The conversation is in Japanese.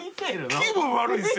気分悪いですよ！